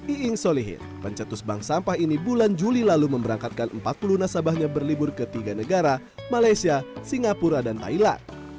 iing solihin pencetus bank sampah ini bulan juli lalu memberangkatkan empat puluh nasabahnya berlibur ke tiga negara malaysia singapura dan thailand